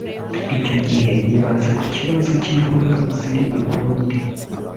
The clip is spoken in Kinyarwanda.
Icyo gihe yibanze ku bibazo by’imvururu ziri i Burundi